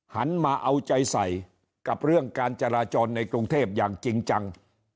หันมาเอาใจใส่กับเรื่องการจราจรในกรุงเทพอย่างจริงจัง